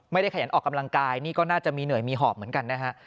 ขยันออกกำลังกายนี่ก็น่าจะมีเหนื่อยมีหอบเหมือนกันนะฮะ